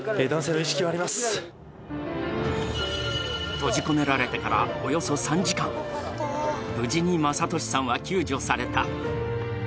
閉じ込められてからおよそ３時間無事に正敏さんは救助された。